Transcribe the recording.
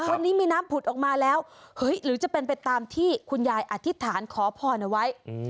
วันนี้มีน้ำผุดออกมาแล้วหรือจะเป็นไปตามที่คุณยายอธิษฐานขอพรเอาไว้